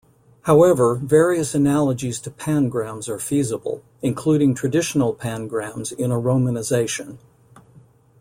However, various analogies to pangrams are feasible, including traditional pangrams in a romanization.